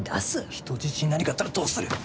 人質に何かあったらどうする！